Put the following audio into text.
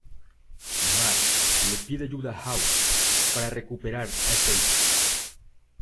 Mark le pide ayuda a House para recuperar a Stacy.